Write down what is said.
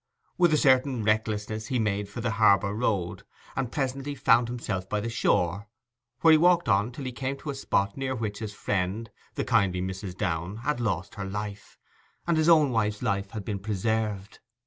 With a certain recklessness he made for the harbour road, and presently found himself by the shore, where he walked on till he came to the spot near which his friend the kindly Mrs. Downe had lost her life, and his own wife's life had been preserved.